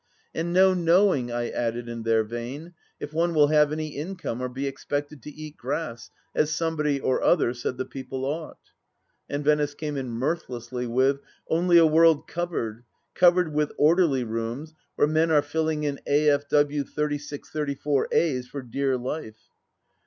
..." And no Imowing," I added in their vein, " if one will have any income, or be expected to eat grass, as somebody or other said the People ought." ,.. And Venice came in mirthlessly with : "Only a world covered — covered with Orderly Rooms where men are filling in A.F.W. 8634a's for dear life